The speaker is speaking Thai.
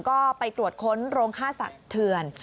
ก็ไปตรวจค้นโรงฆ่าสัตว์เถื่อน